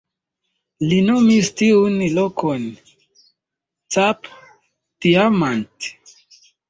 Li nomis tiun lokon "Cap-Diamant".